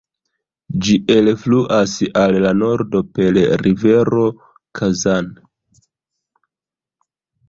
Ĝi elfluas al la nordo per rivero Kazan.